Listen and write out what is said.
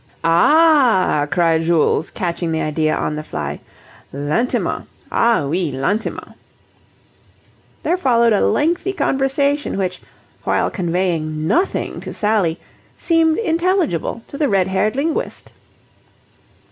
"Ah a ah!" cried Jules, catching the idea on the fly. "Lentement. Ah, oui, lentement." There followed a lengthy conversation which, while conveying nothing to Sally, seemed intelligible to the red haired linguist.